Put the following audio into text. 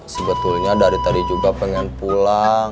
sebetulnya dari tadi juga pengen pulang